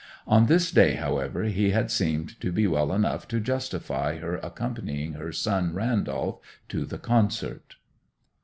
On this day, however, he had seemed to be well enough to justify her accompanying her son Randolph to the concert.